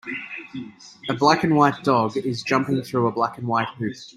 A black and white dog is jumping through a black and white hoop.